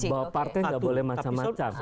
bahwa partai nggak boleh macam macam